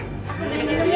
aku beli minuman